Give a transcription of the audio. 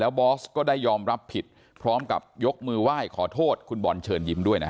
บอสก็ได้ยอมรับผิดพร้อมกับยกมือไหว้ขอโทษคุณบอลเชิญยิ้มด้วยนะฮะ